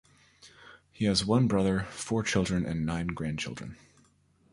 He has one brother, four children and nine grandchildren.